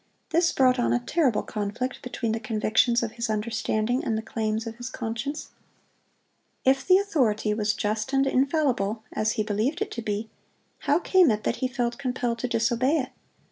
This brought on a terrible conflict between the convictions of his understanding and the claims of his conscience. If the authority was just and infallible, as he believed it to be, how came it that he felt compelled to disobey it?